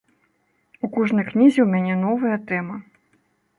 У кожнай кнізе ў мяне новая тэма.